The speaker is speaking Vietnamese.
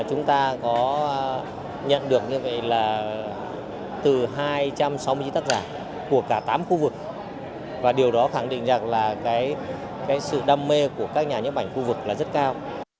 chúng ta có nhận được như vậy là từ hai trăm sáu mươi chín tác giả của cả tám khu vực và điều đó khẳng định rằng là sự đam mê của các nhà nhếp ảnh khu vực là rất cao